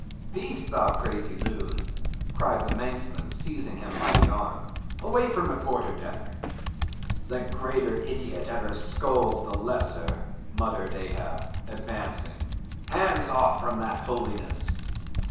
"Peace, thou crazy loon," cried the Manxman, seizing him by the arm. "Away from the quarter deck!" "The greater idiot ever scolds the lesser," muttered Ahab, advancing. "Hands off from that holiness!